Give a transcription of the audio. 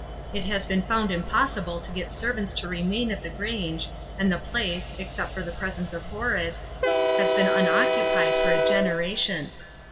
It has been found impossible to get servants to remain at the Grange, and the place except for the presence of Horrod has been unoccupied for a generation.